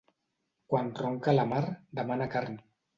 Quan ronca la mar demana carn.